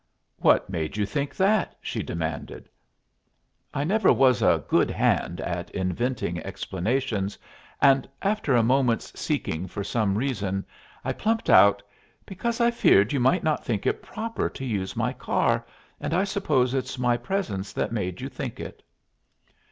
"What made you think that?" she demanded. I never was a good hand at inventing explanations, and after a moment's seeking for some reason, I plumped out, "Because I feared you might not think it proper to use my car, and I suppose it's my presence that made you think it."